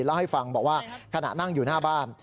เล่าให้ฟังบอกว่าขณะนั่งอยู่หน้าบ้าน